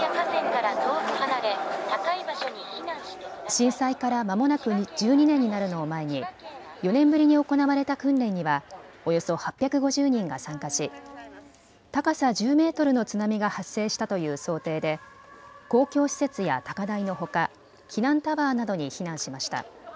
震災からまもなく１２年になるのを前に４年ぶりに行われた訓練にはおよそ８５０人が参加し高さ１０メートルの津波が発生したという想定で公共施設や高台のほか、避難タワーなどに避難しました。